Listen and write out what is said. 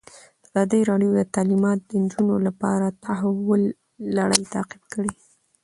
ازادي راډیو د تعلیمات د نجونو لپاره د تحول لړۍ تعقیب کړې.